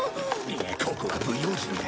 ここは不用心だ。